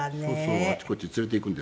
あちこち連れて行くんですけどね。